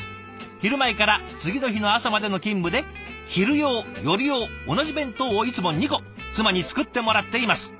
昼前から次の日の朝までの勤務で昼用夜用同じ弁当をいつも２個妻に作ってもらっています。